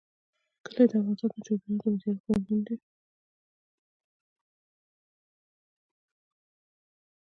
کلي د افغانستان د چاپیریال د مدیریت لپاره مهم دي.